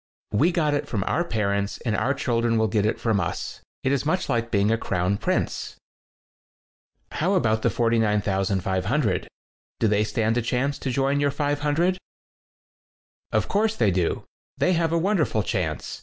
We got it from our parents, and our children will get it from us. It's much like being a crown prince." "How about the 49,500? Do they stand a chance to join your 500?" *'0f course they do. They have a wonderful chance.